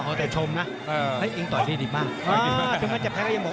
วันนี้เดี่ยงไปคู่แล้วนะพี่ป่านะ